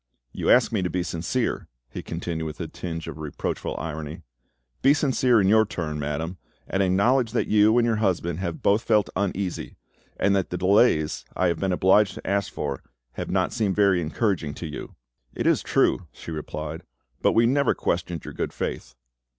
You ask me to be sincere," he continued, with a tinge of reproachful irony; "be sincere in your turn, madame, and acknowledge that you and your husband have both felt uneasy, and that the delays I have been obliged to ask for have not seemed very encouraging to you?" "It is true," she replied; "but we never questioned your good faith."